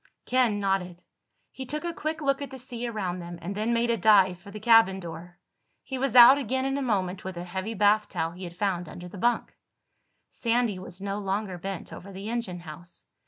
Ken nodded. He took a quick look at the sea around them and then made a dive for the cabin door. He was out again in a moment with a heavy bath towel he had found under the bunk. Sandy was no longer bent over the engine house.